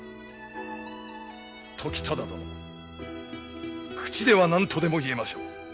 時忠殿口では何とでも言えましょう。